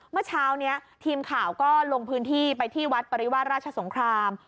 เมื่อเช้านี้ทีมข่าวก็ลงพื้นที่ไปที่วัดปริวาสราชสงคราม